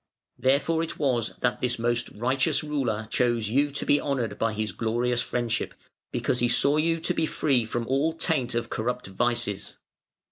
Therefore it was that this most righteous ruler chose you to be honoured by his glorious friendship, because he saw you to be free from all taint of corrupt vices.